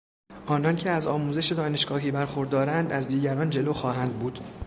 آنان که از آموزش دانشگاهی برخوردارند از دیگران جلو خواهند بود.